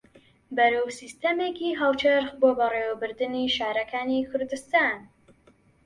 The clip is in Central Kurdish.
بەرەو سیستەمێکی هاوچەرخ بۆ بەڕێوەبردنی شارەکانی کوردستان